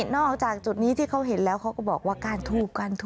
นอกจากจุดนี้ที่เขาเห็นแล้วเขาก็บอกว่าการทูบ